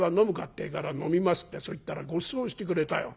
ってえから『飲みます』ってそう言ったらごちそうしてくれたよ。